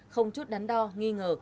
không chút đắn đo nghi ngờ